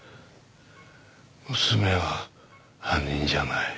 娘は犯人じゃない。